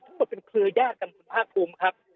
ทั้งหมดเป็นเครือญาติกันคุณภาคภูมิครับ